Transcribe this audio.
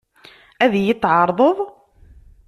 Ad iyi-t-tɛeṛḍeḍ?